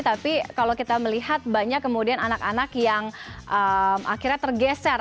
tapi kalau kita melihat banyak kemudian anak anak yang akhirnya tergeser